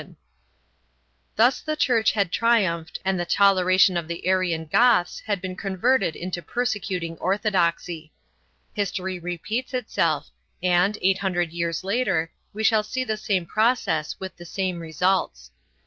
II] THE JEWS UNDER THE WISIGOTHS 43 Thus the Church had triumphed and the toleration of the Arian Goths had been converted into persecuting orthodoxy. History repeats itself and, eight hundred years later, we shall see the same process with the same results.